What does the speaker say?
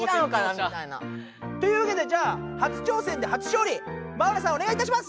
みたいな。というわけでじゃあ初挑戦で初勝利マウナさんおねがいいたします！